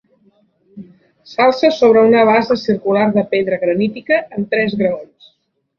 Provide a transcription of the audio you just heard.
S'alça sobre una base circular de pedra granítica amb tres graons.